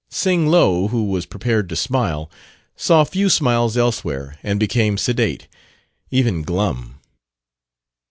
Sing Lo, who was prepared to smile, saw few smiles elsewhere, and became sedate, even glum.